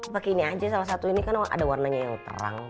pakai ini aja salah satu ini kan ada warnanya yang terang